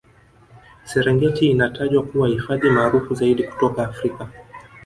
serengeti inatajwa kuwa hifadhi maarufu zaidi kutoka africa